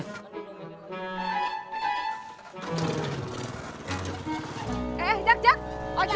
pak bu silahkan lanjutkan marahnya